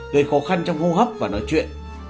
gây khó khăn trong hô hấp và nói chuyện